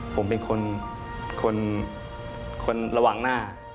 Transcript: ผมเป็นคนระหว่างหน้า